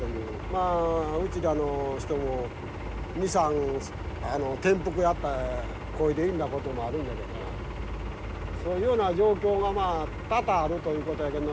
まあうちらの人も２３転覆やったこいで去んだこともあるんやけどな。そういうような状況が多々あるということやけんど。